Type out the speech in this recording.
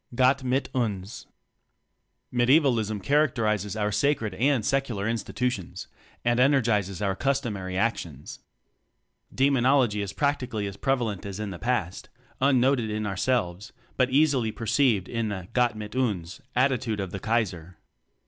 "Gott mit tins." Medievalism characterizes our sa cred and secular institutions and energizes our customary actions. Demonology is practically as prev alent as in the past; unnoted in ourselves but easily perceived in the "Gptt mit uns" attitude of the Kaiser.